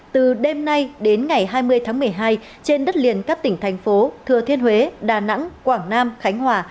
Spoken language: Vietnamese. từ đêm nay đến ngày hai mươi tháng một mươi hai trên đất liền các tỉnh thành phố thừa thiên huế đà nẵng quảng nam khánh hòa